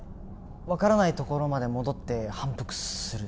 分からないところまで戻って反復する？